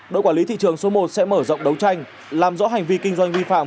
đội quản lý thị trường số một sẽ mở rộng đấu tranh làm rõ hành vi kinh doanh vi phạm